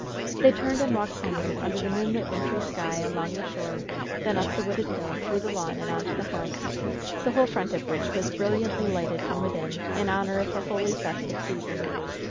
They turned and walked homeward under the moonlight, wintry sky, along the shore, then up the wooded hill, through the lawn and on to the house, the whole front of which was brilliantly lighted from within in honor of the holy, festive season.